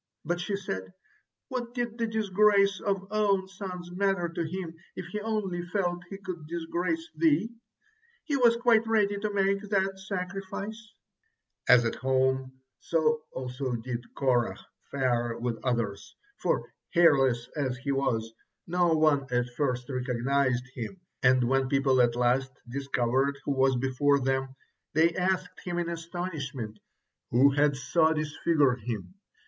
But she said: "What did the disgrace of his own sons matter to him if he only felt he could disgrace thee? He was quite ready to make that sacrifice." As at home, so also did Korah fare with others, for, hairless as he was, no one at first recognized him, and when people at last discovered who was before them, they asked him in astonishment who had so disfigured him.